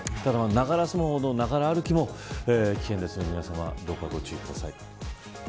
ながらスマホもながら歩きも危険なのでどうかご注意ください。